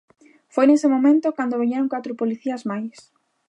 Foi nese momento cando viñeron catro policías máis.